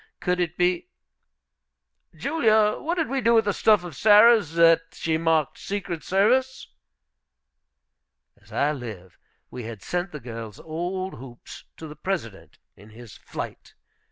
Could it be, "Julia, what did we do with that stuff of Sarah's that she marked secret service?" As I live, we had sent the girls' old hoops to the President in his flight.